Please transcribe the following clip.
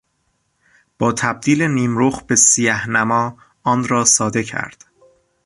با تبدیل نیمرخ به سیهنما آن را ساده کرد.